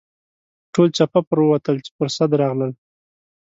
ټول چپه پر ووتل چې پر سد راغلل.